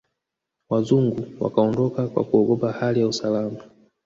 Wazungu wakaondoka kwa kuogopa hali ya usalama